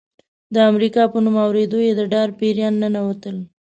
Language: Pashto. د امریکا په نوم اورېدو یې د ډار پیریان ننوتل.